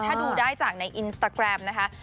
ถ้าดูได้จากในอินสตาแกรมนะคะ